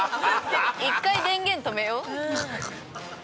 １回電源止めよう？